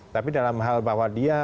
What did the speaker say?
tapi dalam hal bahwa dia